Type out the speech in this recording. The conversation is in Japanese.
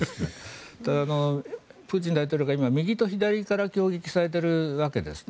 ただ、プーチン大統領が今、右と左から挟撃されているわけですね。